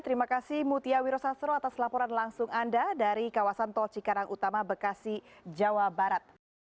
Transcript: terima kasih mutia wiro sastro atas laporan langsung anda dari kawasan tol cikarang utama bekasi jawa barat